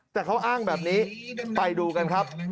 แต่เขาอ้างแบบนี้ไปดูกันครับ